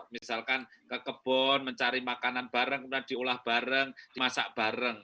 misalkan ke kebun mencari makanan bareng kemudian diolah bareng dimasak bareng